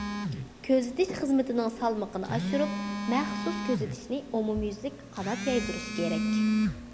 كۆزىتىش خىزمىتىنىڭ سالمىقىنى ئاشۇرۇپ، مەخسۇس كۆزىتىشنى ئومۇميۈزلۈك قانات يايدۇرۇش كېرەك.